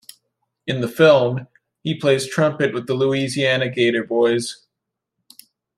In the film, he plays trumpet with The Louisiana Gator Boys.